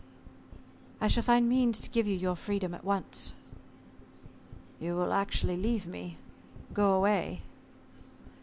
"I shall find means to give you your freedom at once." "You will actually leave me go away?"